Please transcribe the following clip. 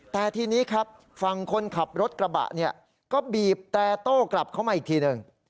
แต่ทีนี้ครับฝั่งคนขับรถกระบะเนี่ยก็บีบแต่โต้กลับเข้ามาอีกทีหนึ่ง